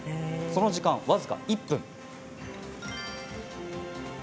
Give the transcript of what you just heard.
その時間、僅か１分。